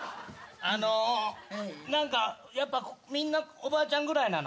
あの何かやっぱみんなおばあちゃんぐらいなの？